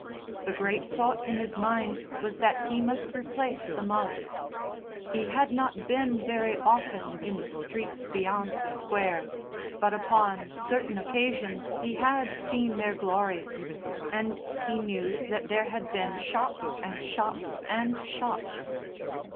The great thought in his mind was that he must replace the mug. He had not been very often in the streets beyond the Square, but upon certain occasions he had seen their glories, and he knew that there had been shops and shops and shops.